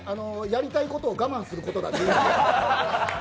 やりたいことを我慢することだと。